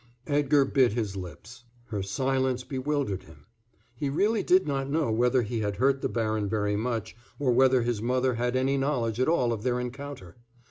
Edgar bit his lips. Her silence bewildered him. He really did not know whether he had hurt the baron very much or whether his mother had any knowledge at all of their encounter.